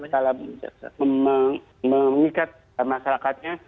kalau mengikat masyarakatnya